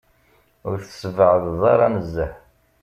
Ur tessbeεdeḍ ara nezzeh.